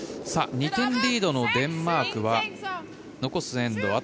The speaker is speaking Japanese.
２点リードのデンマークは残すエンド